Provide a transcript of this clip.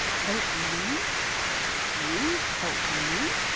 *' Help me? You help me?"